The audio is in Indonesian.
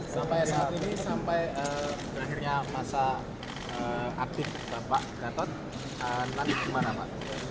sampai saat ini sampai berakhirnya masa aktif bapak gatot nanti kemana pak